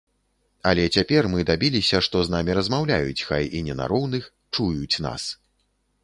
Але цяпер мы дабіліся, што з намі размаўляюць, хай і не роўных, чуюць нас.